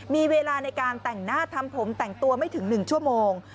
มีเวลาในการแต่งหน้าทำผมแต่งตัวไม่ถึง๑ชั่วโมง